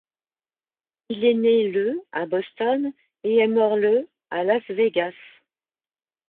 Il est né le à Boston, et est mort le à Las Vegas.